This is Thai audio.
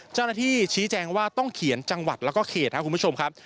ชี้แจงว่าต้องเขียนจังหวัดแล้วก็เขตครับคุณผู้ชมครับ